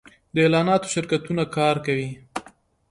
د اعلاناتو شرکتونه کار کوي